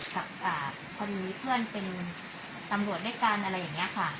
พอดีเพื่อนเป็นตำรวจด้วยกันอะไรอย่างนี้ค่ะ